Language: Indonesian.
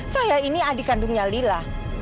saya ini adik kandungnya lila